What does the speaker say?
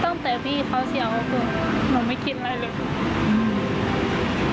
ตั้งแต่พี่เขาเชียวหนูไม่คิดอะไรเลย